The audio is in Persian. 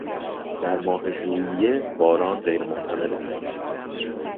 در ماه ژوئیه باران غیر محتمل است.